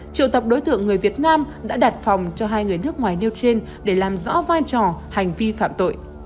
triệu tập đối tượng người việt nam đã đặt phòng cho hai người nước ngoài nêu trên để làm rõ vai trò hành vi phạm tội